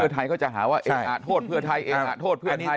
ไทยก็จะหาว่าเอกะทอดของไทย